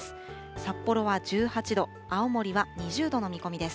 札幌は１８度、青森は２０度の見込みです。